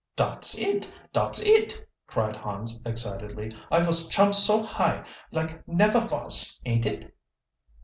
"Dot's it! Dot's it!" cried Hans excitedly. "I vos chump so high like nefer vos, ain't it?"